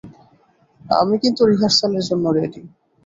আমি কিন্তু রিহার্সালের জন্য রেডি।